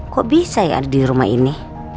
kok bisa yang ada di rumah ini